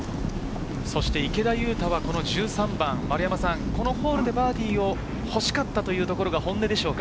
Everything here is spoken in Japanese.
池田勇太は１３番、丸山さん、このホールでバーディーほしかったというところが本音でしょうか？